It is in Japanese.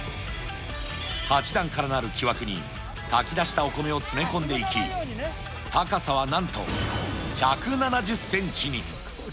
８段からなる木枠に、炊き出したお米を詰め込んでいき、高さはなんと、１７０センチに。